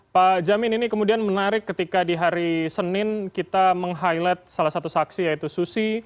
pak jamin ini kemudian menarik ketika di hari senin kita meng highlight salah satu saksi yaitu susi